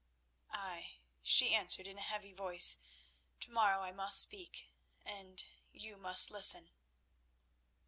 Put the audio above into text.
"Ay," she answered in a heavy voice. "To morrow I must speak, and—you must listen."